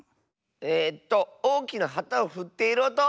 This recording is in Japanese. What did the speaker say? えっとおおきなはたをふっているおと！